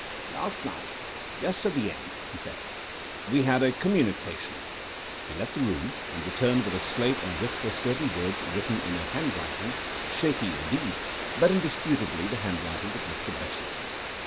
"Last night—just at the end," he said, "we had a communication." He left the room, and returned with a slate on which were certain words written in a handwriting, shaky indeed, but indisputably the handwriting of Mr. Bessel!